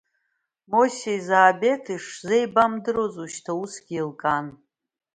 Мосеи Заабеҭи шзеибамдыруаз уажәшьҭа усгьы еилкаан.